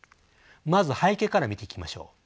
まず背景から見ていきましょう。